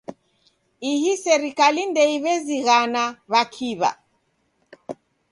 Ihi serikali ndeyaw'iazighana w'akiw'a.